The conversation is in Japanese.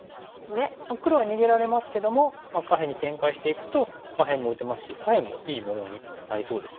黒は逃げられますけども下辺に展開していくと下辺も打てますし左辺もいい模様になりそうですよね。